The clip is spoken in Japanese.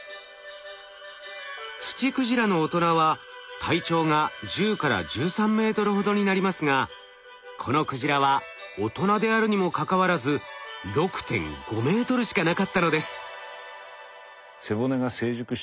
ツチクジラの大人は体長が１０１３ｍほどになりますがこのクジラは大人であるにもかかわらず６．５ｍしかなかったのです。